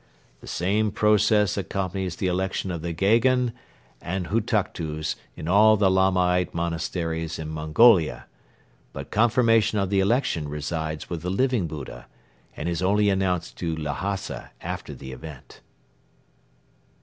The same process accompanies the election of the Gheghen and Hutuktus in all the Lamaite monasteries in Mongolia; but confirmation of the election resides with the Living Buddha and is only announced to Lhasa after the event."